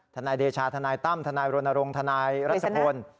ธนายเดชาธนายตั้มธนายโรนโรงธนายรัศพล